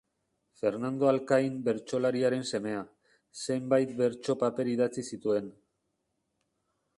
Fernando Alkain bertsolariaren semea, zenbait bertso-paper idatzi zituen.